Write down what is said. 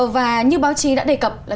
và như báo chí đã đề cập là